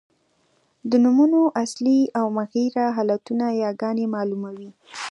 د نومونو اصلي او مغیره حالتونه یاګاني مالوموي.